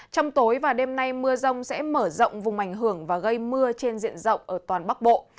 trong tối và đêm nay mưa rông sẽ mở rộng vùng ảnh hưởng và gây mưa trên diện rộng ở toàn bắc bộ